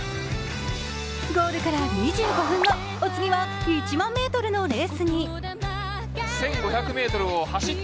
ゴールから２５分後、お次は１００００ｍのレースに。